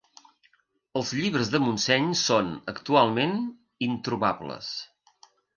Els llibres de Montseny són, actualment, introbables.